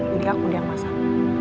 jadi aku dia yang masak